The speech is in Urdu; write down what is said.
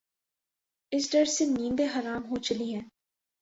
اس ڈر سے نیندیں حرام ہو چلی ہیں۔